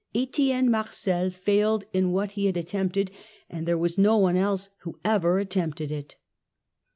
Etienne Marcel failed in what he had attempted, but there was no one else who even attempted it.